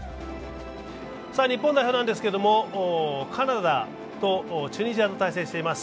日本代表なんですけれども、カナダとチュニジアと対戦しています。